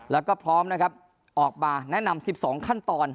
แล้วก็พร้อมนะครับออกมาแนะนำ๑๒ขั้นตอน